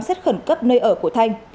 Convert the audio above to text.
xét khẩn cấp nơi ở của thanh